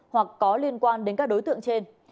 hoặc có liên quan đến các đối tượng trên